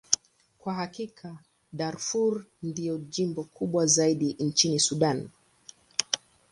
Kwa hakika, Darfur ndilo jimbo kubwa zaidi nchini Sudan.